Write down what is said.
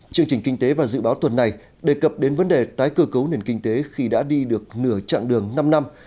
chương trình kinh tế và dự báo tuần này đề cập đến vấn đề tái cơ cấu nền kinh tế khi đã đi được nửa chặng đường năm năm